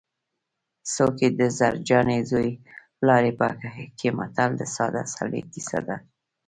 څوک یې د زرجانې زوی لاړې پکې متل د ساده سړي کیسه ده